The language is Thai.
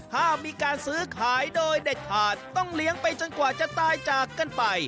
ถ้ามีการซื้อขายโดยเด็ดขาดต้องเลี้ยงไปจนกว่าจะตายจากกันไป